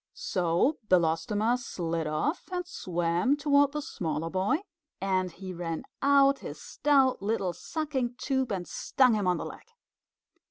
So Belostoma slid off and swam toward the smaller boy, and he ran out his stout little sucking tube and stung him on the leg.